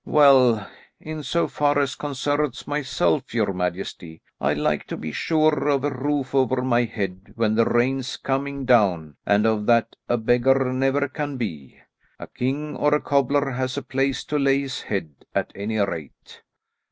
"Well, in so far as concerns myself, your majesty, I'd like to be sure of a roof over my head when the rain's coming down, and of that a beggar never can be. A king or a cobbler has a place to lay his head, at any rate."